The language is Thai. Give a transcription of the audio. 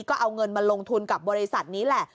ก็เอาเงินมาลงทุนกับบริษัทนี้แหละ